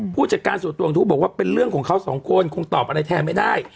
ผู้จัดการส่วนตัวของทุกข์บอกว่าเป็นเรื่องของเขาสองคนคงตอบอะไรแทนไม่ได้